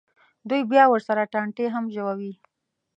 دوی بیا ورسره ټانټې هم ژووي.